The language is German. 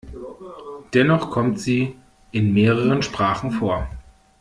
Dennoch kommt sie in mehreren Sprachen vor.